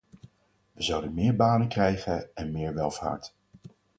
We zouden meer banen krijgen en meer welvaart.